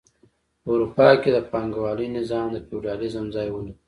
په اروپا کې د پانګوالۍ نظام د فیوډالیزم ځای ونیو.